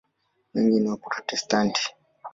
Wengi ni Waprotestanti.